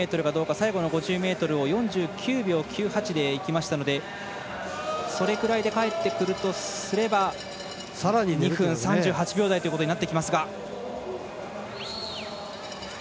最後の５０ｍを４９秒９８でいきましたのでそれくらいで帰ってくるとすれば２分３８秒台ということになってきますが。